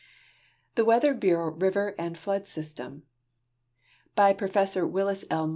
THE WEATHER BUREAU RIVER AND FLOOD SYSTEM By Professor MTllis L.